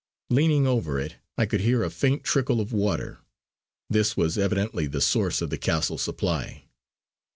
Leaning over it I could hear a faint trickle of water; this was evidently the source of the castle supply.